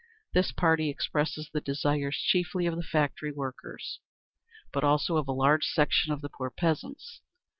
This party expresses the desires chiefly of the factory workers, but also of a large section of the poor peasants.